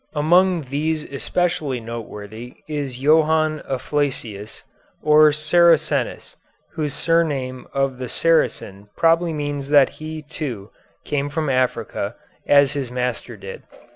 Among these especially noteworthy is Johannes Afflacius, or Saracenus (whose surname of the Saracen probably means that he, too, came from Africa, as his master did).